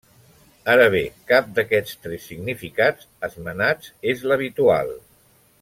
Ara bé, cap d’aquests tres significats esmenats és l’habitual.